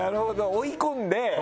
追い込んで。